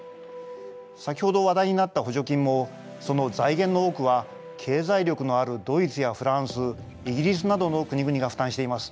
先ほど話題になった補助金もその財源の多くは経済力のあるドイツやフランスイギリスなどの国々が負担しています。